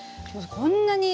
こんなに。